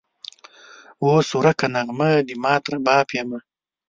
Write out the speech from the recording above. اوس ورکه نغمه د مات رباب یمه